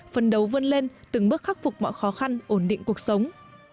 phần đấu vươn lên từng bước khắc phục mọi khó khăn ổn định cuộc sống